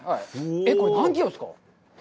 えっ、これ、何キロですか。